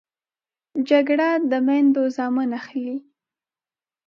جګړه د میندو زامن اخلي